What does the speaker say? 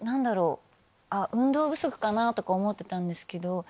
運動不足かなって思ってたんですけど。